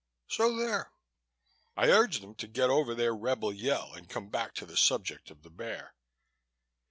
So, there!" I urged them to get over their rebel yell and come back to the subject of the bear.